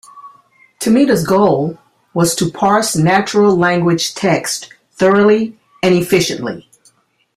Tomita's goal was to parse natural language text thoroughly and efficiently.